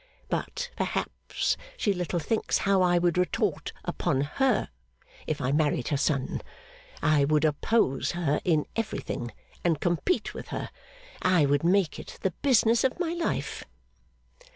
But, perhaps, she little thinks how I would retort upon her if I married her son. I would oppose her in everything, and compete with her. I would make it the business of my life.